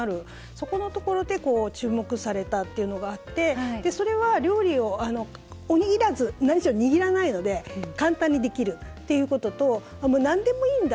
そこのところで注目されたっていうのがあってそれは料理を、おにぎらず何しろ、にぎらないので簡単にできるということとなんでもいいんだ。